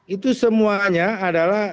itu semuanya adalah